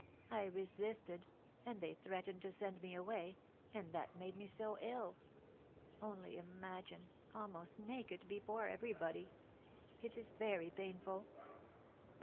I resisted, and they threatened to send me away, and that made me so ill. Only imagine, almost naked before everybody! It is very painful."